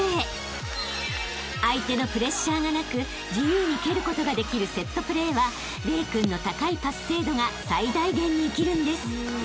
［相手のプレッシャーがなく自由に蹴ることができるセットプレーは玲君の高いパス精度が最大限に生きるんです］